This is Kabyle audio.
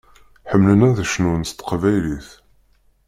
Ḥemmlen ad cnun s teqbaylit.